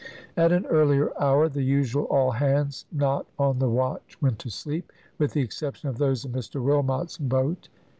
At an earlier hour than usual all hands not on the watch went to sleep, with the exception of those in Mr Wilmot's boat.